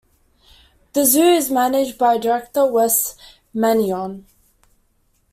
The zoo is managed by Director Wes Mannion.